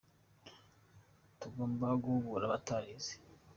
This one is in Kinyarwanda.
Tugomba guhugura abatarize.